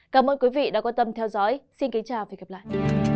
cảm ơn quý vị đã quan tâm theo dõi xin kính chào và hẹn gặp lại